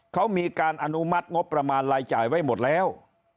เขามีการอนุมัติงบประมาณรายจ่ายไว้หมดแล้ว